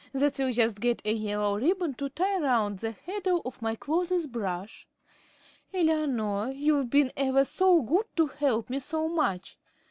"That will just get a yellow ribbon to tie round the handle of my clothes brush. Eleanor, you've been ever so good to help me so much.